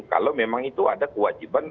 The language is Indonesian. kalau memang itu ada kewajiban